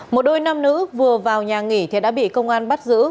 một đôi nam nữ vừa vào nhà nghỉ thì đã bị công an bắt giữ